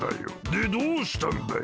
でどうしたんだい？